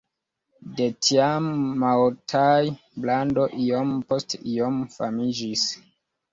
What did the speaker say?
De tiam Maotai-brando iom post iom famiĝis.